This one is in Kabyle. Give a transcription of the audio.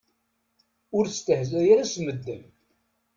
Ur stehzay ara s medden.